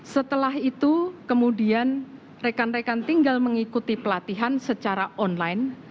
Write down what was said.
setelah itu kemudian rekan rekan tinggal mengikuti pelatihan secara online